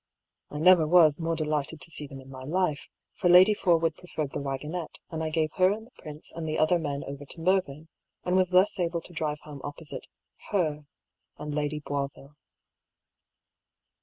I never was more delighted to see them in my life; for Lady Forwood preferred the waggonette, and I gave her and the prince and the other men over to Mervyn, and was thus able to drive home opposite her and Lady Boisville.